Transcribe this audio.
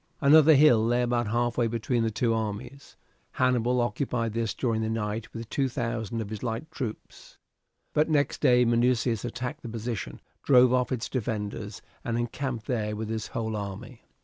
Another hill lay about halfway between the two armies. Hannibal occupied this during the night with two thousand of his light troops, but next day Minucius attacked the position, drove off its defenders, and encamped there with his whole army.